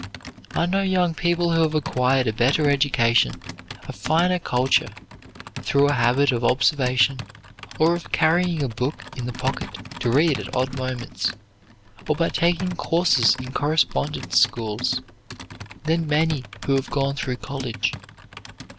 I know young people who have acquired a better education, a finer culture, through a habit of observation, or of carrying a book in the pocket to read at odd moments, or by taking courses in correspondence schools, than many who have gone through college.